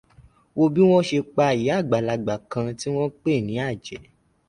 Wo bí wọ́n ṣe pa ìyá àgbàlagbà kan tí wọ́n pè ní àjẹ́.